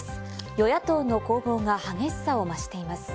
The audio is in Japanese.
与野党の攻防が激しさを増しています。